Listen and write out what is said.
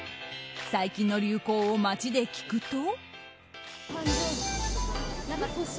最近の流行を街で聞くと。